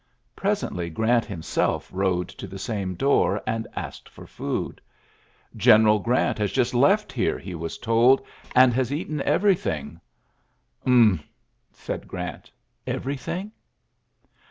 Pres ently Grant himself rode to the same door, and asked for food. ^'Gteneral Grant has just left here,'' he was told, ^* and has eaten everything. "^^ TTmph, '' said Grant, ^'everything?"